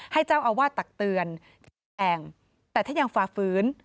ให้เจ้าอาวาสตักเตือนแก่แอ่งแต่ถ้ายังฝ่าฝืน